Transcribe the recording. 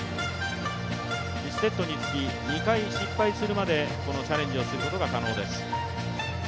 １セットにつき２回失敗するまでチャレンジをすることが可能です。